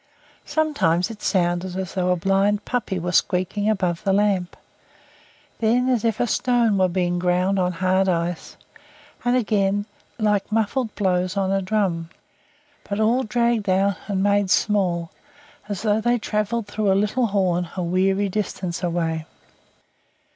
Sometimes it sounded as though a blind puppy were squeaking above the lamp; then as if a stone were being ground on hard ice; and again, like muffled blows on a drum; but all dragged out and made small, as though they travelled through a little horn a weary distance away.